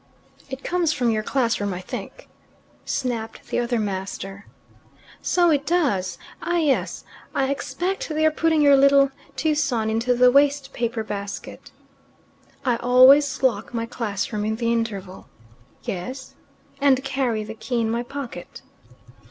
"It comes from your class room, I think," snapped the other master. "So it does. Ah, yes. I expect they are putting your little Tewson into the waste paper basket." "I always lock my class room in the interval " "Yes?" " and carry the key in my pocket."